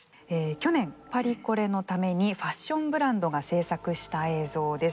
去年パリコレのためにファッションブランドが制作した映像です。